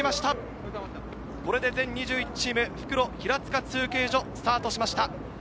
全２１チーム、復路・平塚中継所スタートしました。